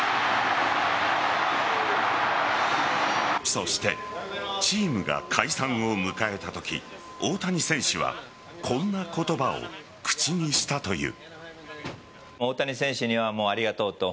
そしてチームが解散を迎えたとき大谷選手はこんな言葉を口にしたという。